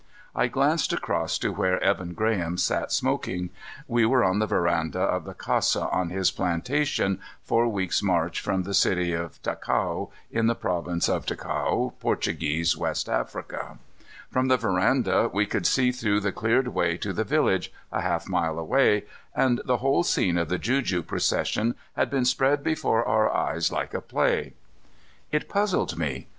I glanced across to where Evan Graham sat smoking. We were on the veranda of the casa on his plantation, four weeks' march from the city of Ticao, in the province of Ticao, Portuguese West Africa. From the veranda we could see through the cleared way to the village, a half mile away, and the whole scene of the juju procession had been spread before our eyes like a play. It puzzled me.